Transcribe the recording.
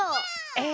え？